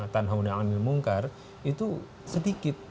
tanhauna'anil mungkar itu sedikit